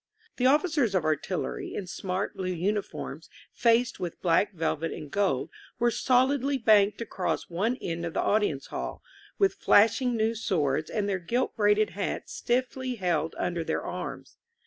The officers of artillery, in smart blue uniforms faced with black velvet and gold, were solidly banked across one end of the audience hall, with flashing new swords and their gilt braided hats stiffly held under their arms.